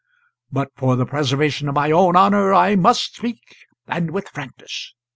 But for the preservation of my own honour I must speak and with frankness.